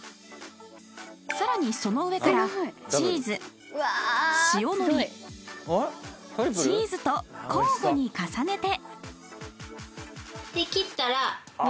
［さらにその上からチーズ塩のりチーズと交互に重ねて］